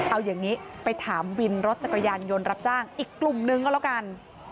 เอาอย่างนี้ไปถามวินรถจักรยานยนต์รับจ้างอีกกลุ่มนึงก็แล้วกัน